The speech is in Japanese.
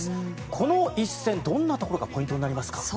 この一戦、どんなところがポイントになりますか？